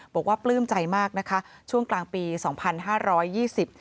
ปลื้มใจมากนะคะช่วงกลางปีสองพันห้าร้อยยี่สิบ